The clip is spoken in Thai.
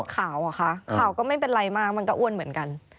ขาวเหรอคะขาวก็ไม่เป็นไรมากมันก็อ้วนเหมือนกัน